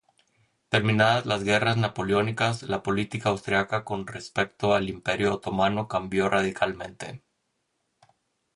Terminadas las guerras napoleónicas, la política austríaca con respecto al imperio otomano cambió radicalmente.